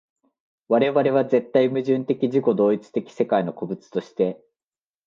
我々は絶対矛盾的自己同一的世界の個物として、